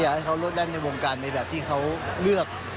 อยากให้เขารวดแรงในวงการในแบบที่เขาเลือก